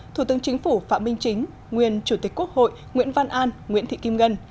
thủ tướng chính phủ phạm minh chính nguyên chủ tịch quốc hội nguyễn văn an nguyễn thị kim ngân